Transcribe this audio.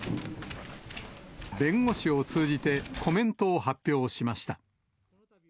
弁護士を通じて、コメントを発表しました。